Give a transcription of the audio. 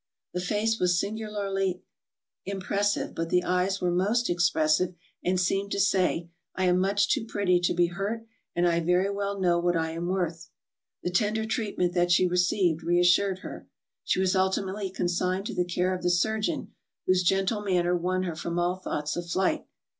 The face was singularly im pressive, but the eyes were most expressive and seemed to say: " I am much too pretty to be hurt and I very well know what I am worth." The tender treatment that she received reassured her. She was ultimately consigned to the care of the surgeon, whose gentle manner won her from all thoughts of flight.